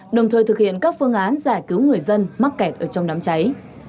đồng thời thực hiện các phương án giải cứu người dân mắc kẹt ở trong đám cháy